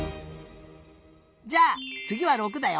じゃあつぎは６だよ！